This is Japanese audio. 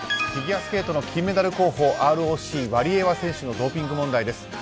フィギュアスケートの金メダル候補ＲＯＣワリエワ選手のドーピング問題です。